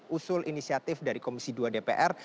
usul inisiatif dari komisi dua dpr